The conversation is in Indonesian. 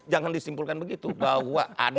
jangan disimpulkan begitu bahwa ada